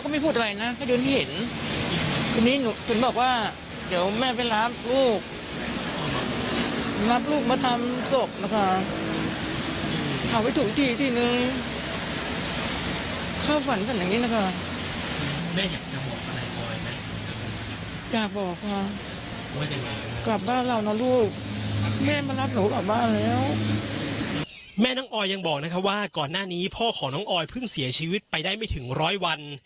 แม่น้องออยยังบอกนะครับว่าก่อนหน้านี้พ่อของน้องออยเพิ่งเสียชีวิตไปได้ไม่ถึงร้อยวัน